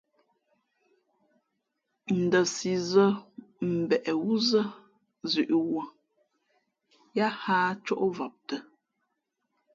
Ndα sǐ zᾱ mbeʼ wúzᾱ zʉ̌ʼ wūᾱ , yā hᾱ ǎ cóʼvam tα̌.